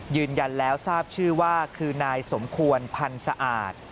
ยืนยันแล้วทราบชื่อว่าคือนายสมควรพันธ์สะอาด